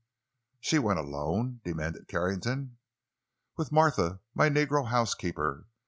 "She went alone?" demanded Carrington. "With Martha, my negro housekeeper.